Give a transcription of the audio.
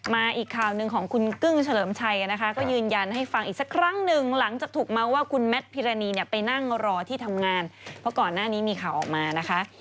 มาอีกข่าวหนึ่งของคุณกึ้งเฉลิมชัยนะคะก็ยืนยันให้ฟังอีกสักครั้งหนึ่งหลังจากถูกเมาส์ว่าคุณแมทพิรณีเนี่ยไปนั่งรอที่ทำงานเพราะก่อนหน้านี้มีข่าวออกมานะคะ